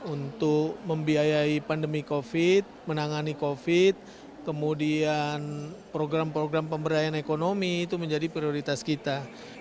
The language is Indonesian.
untuk membiayai pandemi covid menangani covid kemudian program program pemberdayaan ekonomi itu menjadi prioritas kita